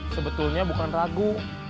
sebetulnya bukan ragu